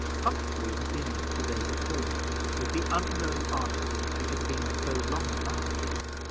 Humphrey had been out the day before with the unknown article he had been so long about.